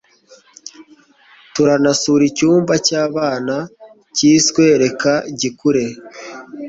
Turanasura icyumba cy'abana kisweReka gikure”